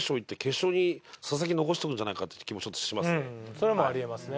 それもあり得ますね。